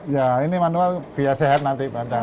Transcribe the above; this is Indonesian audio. ya ini manual biaya sehat nanti mantap